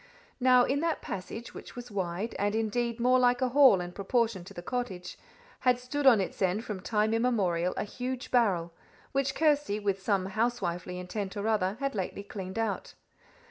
Now, in that passage, which was wide, and indeed more like a hall in proportion to the cottage, had stood on its end from time immemorial a huge barrel, which Kirsty, with some housewifely intent or other, had lately cleaned out.